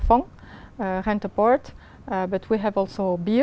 với fta chắc chắn là